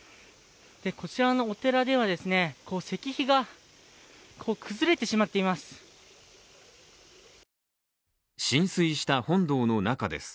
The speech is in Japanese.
こちらのお寺では石碑が崩れてしまっています。